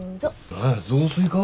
何や雑炊か。